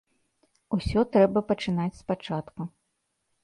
Усё трэба пачынаць спачатку.